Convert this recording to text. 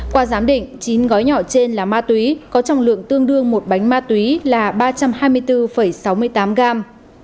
qua giám định chín gói nhỏ trên là ma túy có trọng lượng tương đương một bánh ma túy là ba trăm hai mươi bốn sáu mươi tám gram